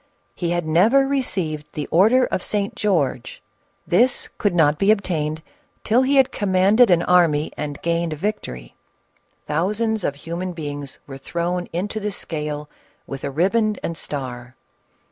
He had never received the order of St. George ; this could not be obtained till he commanded an army and gained a victory. Thousands of human beings were thrown into the scale with a riband and star.